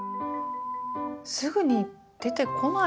すぐに出てこないもん。